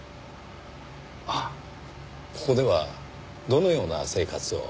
あっここではどのような生活を？